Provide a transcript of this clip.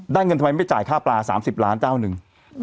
เงินทำไมไม่จ่ายค่าปลา๓๐ล้านเจ้าหนึ่ง